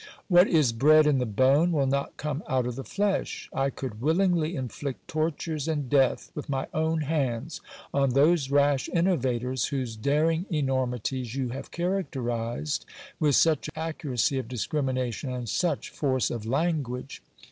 What is bred in the bone will not come out of the flesh : I could willingly inflict tortures and death with my own hands on those rash innovators whose daring enormities you have characterized with such accuracy of discrimination and such force of language.